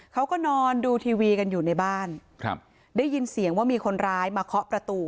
เขาก็นอนดูทีวีกันอยู่ในบ้านครับได้ยินเสียงว่ามีคนร้ายมาเคาะประตู